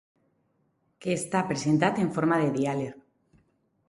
Que està presentat en forma de diàleg.